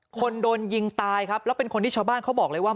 คนโดนยิงตายครับแล้วเป็นคนที่ชาวบ้านเขาบอกเลยว่า